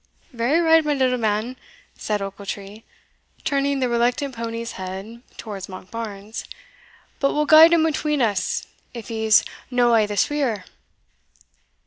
"Very right, my little man," said Ochiltree, turning the reluctant pony's head towards Monkbarns; "but we'll guide him atween us, if he's no a' the sweerer."